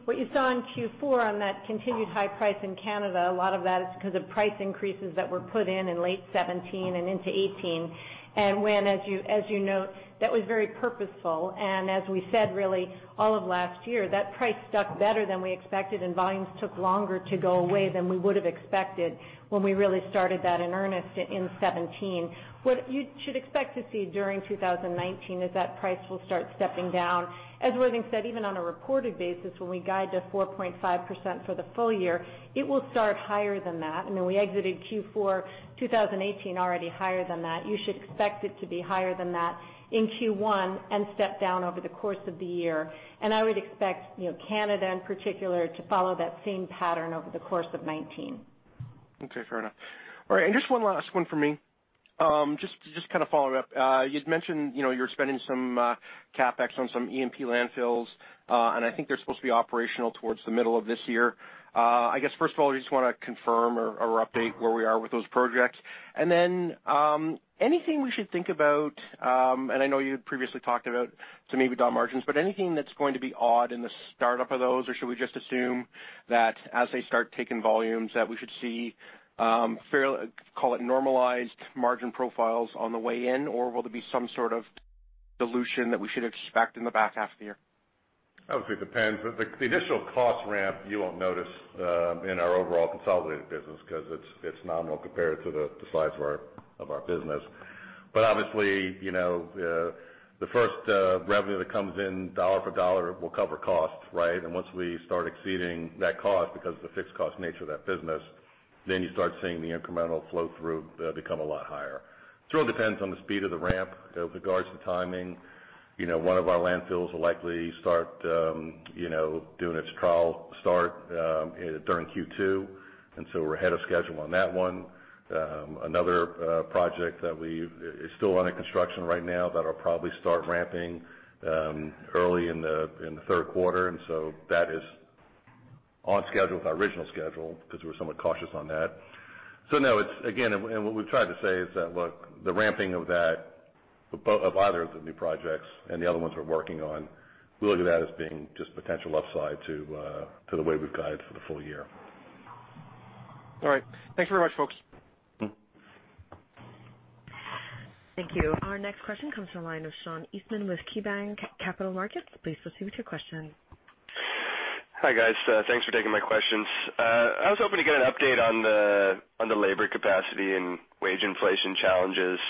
what you saw in Q4 on that continued high price in Canada, a lot of that is because of price increases that were put in in late 2017 and into 2018. As you note, that was very purposeful, and as we said really all of last year, that price stuck better than we expected and volumes took longer to go away than we would've expected when we really started that in earnest in 2017. What you should expect to see during 2019 is that price will start stepping down. As Worthing said, even on a reported basis, when we guide to 4.5% for the full year, it will start higher than that. We exited Q4 2018 already higher than that. You should expect it to be higher than that in Q1 and step down over the course of the year. I would expect Canada in particular to follow that same pattern over the course of 2019. Okay, fair enough. All right, just one last one for me. Just to kind of follow it up. You'd mentioned you're spending some CapEx on some E&P landfills, I think they're supposed to be operational towards the middle of this year. I guess first of all, I just want to confirm or update where we are with those projects. Then, anything we should think about, I know you had previously talked about some EBITDA margins, anything that's going to be odd in the startup of those, should we just assume that as they start taking volumes, that we should see call it normalized margin profiles on the way in? Will there be some sort of dilution that we should expect in the back half of the year? Obviously, it depends. The initial cost ramp you won't notice in our overall consolidated business because it's nominal compared to the size of our business. Obviously, the first revenue that comes in dollar for dollar will cover costs, right? Once we start exceeding that cost, because of the fixed cost nature of that business, then you start seeing the incremental flow through become a lot higher. It all depends on the speed of the ramp. With regards to timing, one of our landfills will likely start doing its trial start during Q2. We're ahead of schedule on that one. Another project that is still under construction right now, that'll probably start ramping early in the third quarter. That is on schedule with our original schedule, because we were somewhat cautious on that. No, again, what we've tried to say is that, look, the ramping of that, of either of the new projects and the other ones we're working on, we look at that as being just potential upside to the way we've guided for the full year. All right. Thank you very much, folks. Thank you. Our next question comes from the line of Sean Eastman with KeyBanc Capital Markets. Please proceed with your question. Hi, guys. Thanks for taking my questions. I was hoping to get an update on the labor capacity and wage inflation challenges,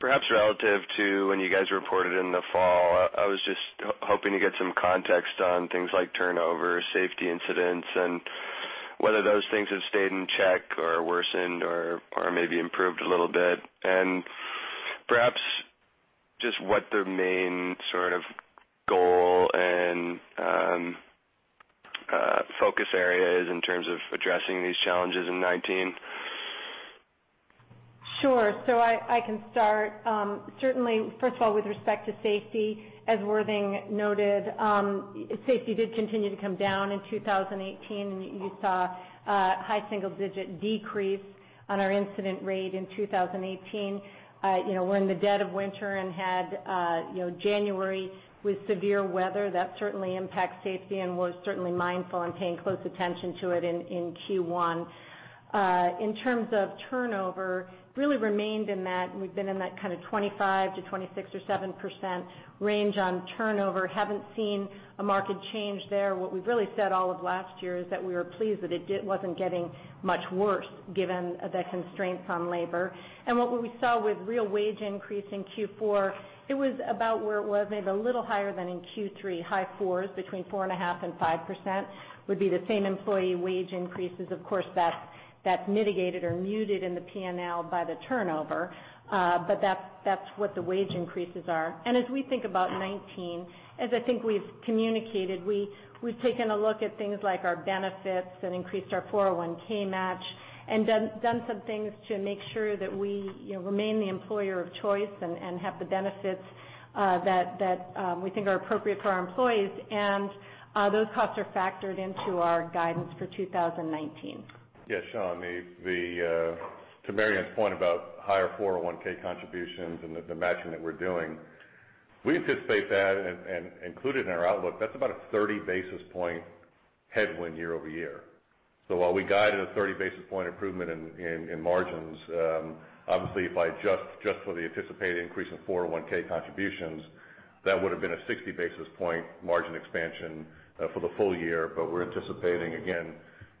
perhaps relative to when you guys reported in the fall. I was just hoping to get some context on things like turnover, safety incidents, and whether those things have stayed in check or worsened or maybe improved a little bit. Perhaps just what the main sort of goal and focus area is in terms of addressing these challenges in 2019. Sure. I can start. Certainly, first of all, with respect to safety, as Worthing noted, safety did continue to come down in 2018, and you saw a high single-digit decrease on our incident rate in 2018. We're in the dead of winter and had January with severe weather, that certainly impacts safety and was certainly mindful and paying close attention to it in Q1. In terms of turnover, really remained in that 25%-26% or 27% range on turnover. Haven't seen a market change there. What we've really said all of last year is that we were pleased that it wasn't getting much worse given the constraints on labor. What we saw with real wage increase in Q4, it was about where it was, maybe a little higher than in Q3, high fours, between 4.5% and 5%, would be the same employee wage increases. Of course, that's mitigated or muted in the P&L by the turnover. That's what the wage increases are. As we think about 2019, as I think we've communicated, we've taken a look at things like our benefits and increased our 401 match and done some things to make sure that we remain the employer of choice and have the benefits that we think are appropriate for our employees. Those costs are factored into our guidance for 2019. Yeah, Sean, to Mary Anne's point about higher 401 contributions and the matching that we're doing, we anticipate that and include it in our outlook. That's about a 30-basis-point headwind year-over-year. While we guided a 30-basis-point improvement in margins, obviously if I adjust just for the anticipated increase in 401 contributions, that would've been a 60-basis-point margin expansion for the full year. We're anticipating, again,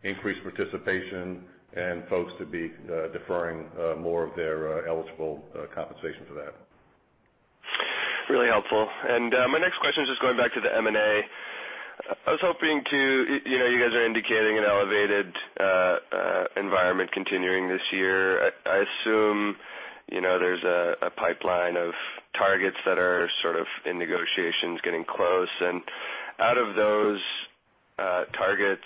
increased participation and folks to be deferring more of their eligible compensation for that. Really helpful. My next question is just going back to the M&A. You guys are indicating an elevated environment continuing this year. I assume there's a pipeline of targets that are sort of in negotiations getting close. Out of those targets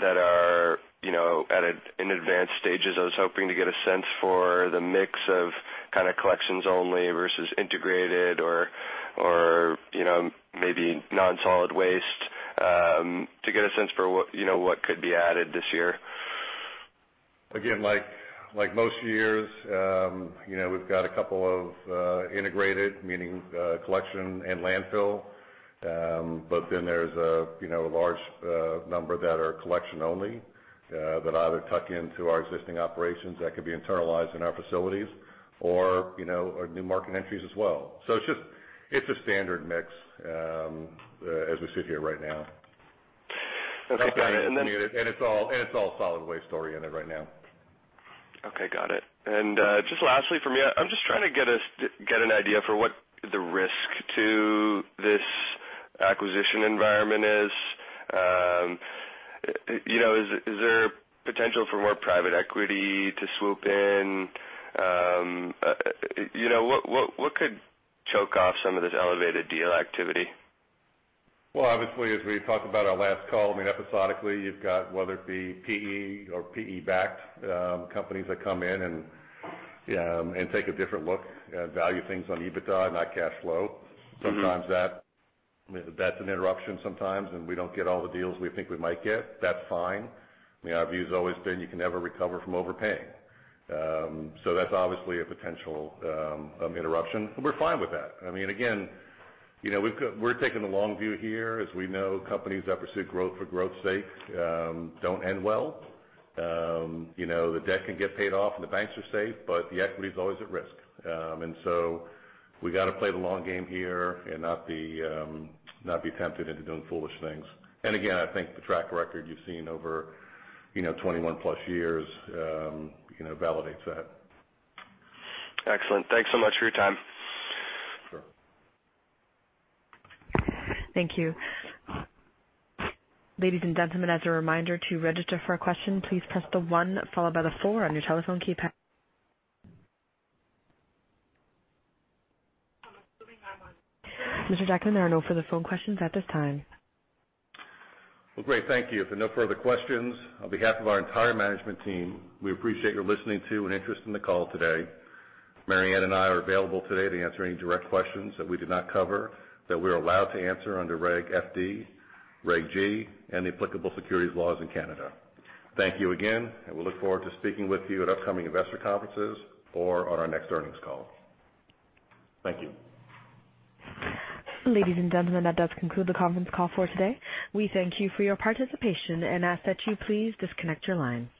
that are in advanced stages, I was hoping to get a sense for the mix of collections only versus integrated or maybe non-solid waste, to get a sense for what could be added this year. Again, like most years, we've got a couple of integrated, meaning collection and landfill. There's a large number that are collection only, that either tuck into our existing operations that could be internalized in our facilities or are new market entries as well. It's a standard mix as we sit here right now. Okay, got it. It's all solid waste story in it right now. Okay, got it. Just lastly from me, I'm just trying to get an idea for what the risk to this acquisition environment is. Is there potential for more private equity to swoop in? What could choke off some of this elevated deal activity? Obviously, as we talked about our last call, episodically, you've got, whether it be PE or PE-backed companies that come in and take a different look, value things on EBITDA, not cash flow. Sometimes that's an interruption sometimes. We don't get all the deals we think we might get. That's fine. Our view's always been you can never recover from overpaying. That's obviously a potential interruption. We're fine with that. We're taking the long view here. We know companies that pursue growth for growth's sake don't end well. The debt can get paid off and the banks are safe, but the equity's always at risk. We got to play the long game here and not be tempted into doing foolish things. Again, I think the track record you've seen over 21+ years validates that. Excellent. Thanks so much for your time. Sure. Thank you. Ladies and gentlemen, as a reminder to register for a question, please press the one followed by the four on your telephone keypad. Mr. Jackman, there are no further phone questions at this time. Well, great. Thank you. If there are no further questions, on behalf of our entire management team, we appreciate your listening to and interest in the call today. Mary Anne and I are available today to answer any direct questions that we did not cover that we're allowed to answer under Regulation FD, Regulation G, and the applicable securities laws in Canada. Thank you again. We look forward to speaking with you at upcoming investor conferences or on our next earnings call. Thank you. Ladies and gentlemen, that does conclude the conference call for today. We thank you for your participation and ask that you please disconnect your line.